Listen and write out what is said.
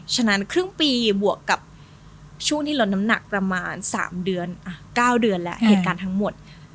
ฉะนั้นครึ่งปีบวกกับช่วงที่ลดน้ำหนักประมาณ๓เดือน๙เดือนแล้วเหตุการณ์ทั้งหมด